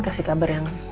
kasih kabar yang